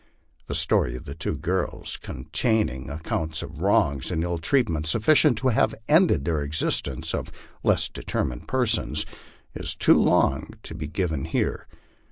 The story of the two girls, containing accounts of wrongs and ill treat ment sufficient to have ended the existence of less determined persons, is too long to be given here.